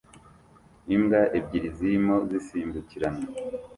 Imbwa ebyiri zirimo zisimbukirana